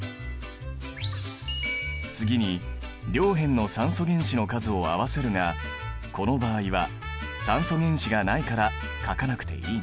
次に両辺の酸素原子の数を合わせるがこの場合は酸素原子がないから書かなくていいね。